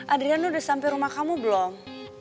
adriana udah sampai rumah kamu belum